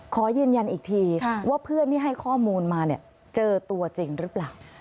ขอยืนยันอีกทีว่าเพื่อนที่ให้ข้อมูลมาเนี่ยเจอตัวจริงหรือเปล่า